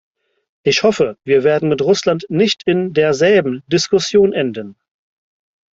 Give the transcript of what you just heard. Ich hoffe, wir werden mit Russland nicht in derselben Diskussion enden.